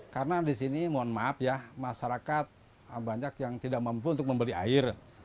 karena di sini mohon maaf ya masyarakat banyak yang tidak mampu untuk membeli air